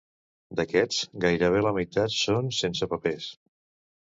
D'aquests, gairebé la meitat són sensepapers.